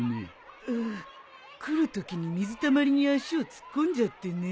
ああ来るときに水たまりに足を突っ込んじゃってね。